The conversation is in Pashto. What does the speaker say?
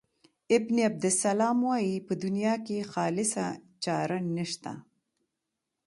ابن عبدالسلام وايي په دنیا کې خالصه چاره نشته.